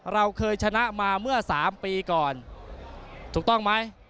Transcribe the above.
เราเคยชนะมาเมื่อ๓ปีก่อนถูกต้องไหม